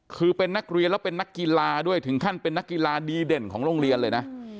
คือเป็นนักเรียนแล้วเป็นนักกีฬาด้วยถึงขั้นเป็นนักกีฬาดีเด่นของโรงเรียนเลยนะ